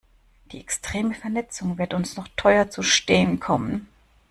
Die extreme Vernetzung wird uns noch teuer zu stehen kommen.